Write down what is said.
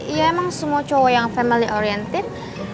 iya emang semua cowok yang family oriented